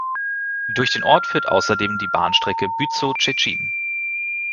Durch den Ort führt außerdem die Bahnstrecke Bützow–Szczecin.